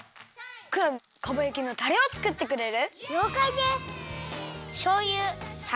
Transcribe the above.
クラムかば焼きのタレをつくってくれる？